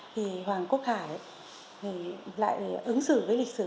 thì hoàng quốc hải lại ứng xử với lịch sử